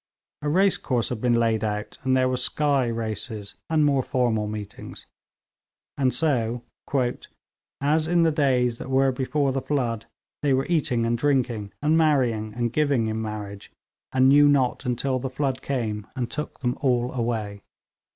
A racecourse had been laid out, and there were 'sky' races and more formal meetings. And so 'as in the days that were before the flood, they were eating and drinking, and marrying and giving in marriage, and knew not until the flood came, and took them all away.'